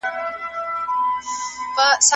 هیڅوک باید د خپل فکر له امله ونه ځورول سي.